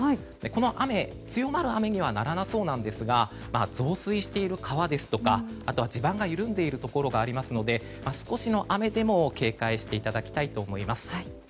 この雨、強まる雨にはならなそうなんですが増水している川ですとかあとは地盤の緩んでいるところがありますので少しの雨でも警戒していただきたいと思います。